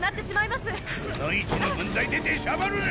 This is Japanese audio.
くノ一の分際で出しゃばるな！